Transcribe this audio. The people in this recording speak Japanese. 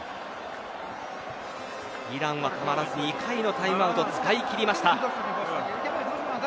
イランは、たまらずに２回目のタイムアウトを使い切りました。